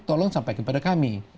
tolong sampaikan kepada kami